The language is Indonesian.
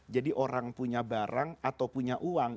jadi orang punya barang atau punya uang